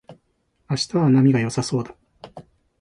明日は波が良さそうだ